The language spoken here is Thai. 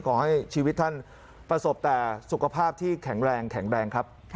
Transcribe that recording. ขอให้ชีวิตท่านประสบแต่สุขภาพที่แข็งแรงแข็งแรงครับ